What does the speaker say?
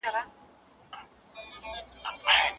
ټولنیز واقیعت د ټولنیزو اصولو د پلي کېدو ملاتړ کوي.